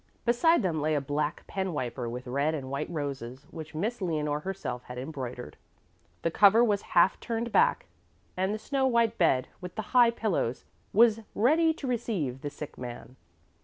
Beside them lay a black pen wiper with red and white roses which Miss Leonore herself had embroidered. The cover was half turned back and the snow white bed with the high pillows was ready to receive the sick man.